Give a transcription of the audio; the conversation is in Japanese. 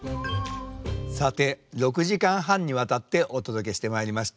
さて６時間半にわたってお届けしてまいりました